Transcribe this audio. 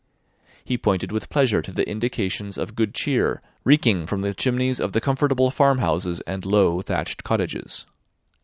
He pointed with pleasure to the indications of good cheer reeking from the chimneys of the comfortable farmhouses and low, thatched cottages.